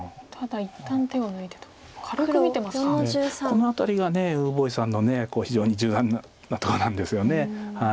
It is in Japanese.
このあたりが呉柏毅さんの非常に柔軟なとこなんですよね。